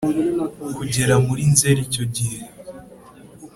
kugera muri nzeri icyo gihe